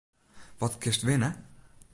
Wat kinst winne?